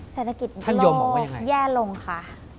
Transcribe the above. เศรษฐกิจโลกแย่ลงค่ะ